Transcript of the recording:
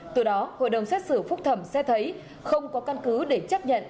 từ đó hội đồng xét xử phúc thẩm xét thấy không có căn cứ để chấp nhận